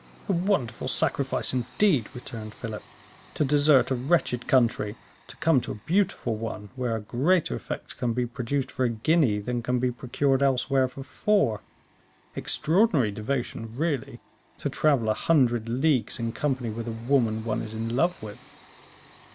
"A wonderful sacrifice indeed," returned Philip, "to desert a wretched country to come to a beautiful one, where a greater effect can be produced for a guinea that can be procured elsewhere for four! Extraordinary devotion, really, to travel a hundred leagues in company with a woman one is in love with!"